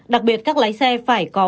đặc biệt các lái xe phải có